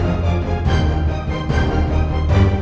gue harus cari petunjuk lagi disini